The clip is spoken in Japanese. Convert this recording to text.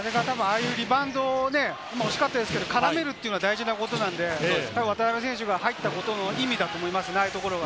ああいうリバウンド、惜しかったですけど、絡めるっていうのは大事なことなので渡邉選手が入ったことの意味だと思いますね。